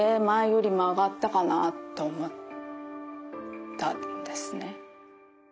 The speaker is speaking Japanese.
前より曲がったかな？って思ったんですね。